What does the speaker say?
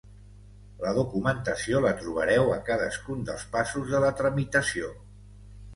La documentació la trobareu a cadascun dels passos de la tramitació.